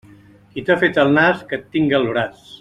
Qui t'ha fet el nas, que et tinga al braç.